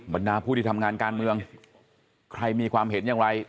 บรรดาผู้ที่ทำงานการเมืองใครมีความเห็นอย่างไร